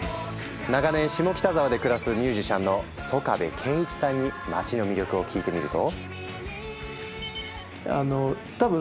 長年下北沢で暮らすミュージシャンの曽我部恵一さんに街の魅力を聞いてみると。